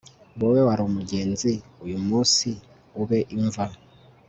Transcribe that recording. Wowe wari umugenzi uyumunsi ube imva